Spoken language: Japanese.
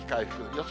予想